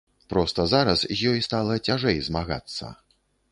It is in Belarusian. Проста зараз з ёй стала цяжэй змагацца.